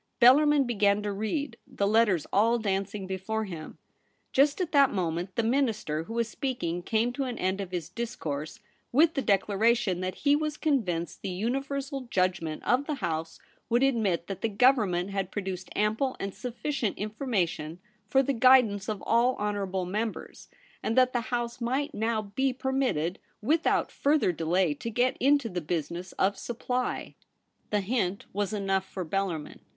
Bellarmin began to read, the letters all dancing before him. Just at that moment the Minister who was speaking came to an end of his discourse with the declaration that he was convinced the universal judgment of the House would admit that the Government had produced ample and sufficient informa tion for the guidance of all honourable members, and that the House might now be permitted without further delay to get into the business of supply. ROLFE BELLARMIN. 197 The hint was enough for Bellarmln.